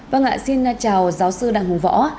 vâng ạ xin chào giáo sư đặng hùng võ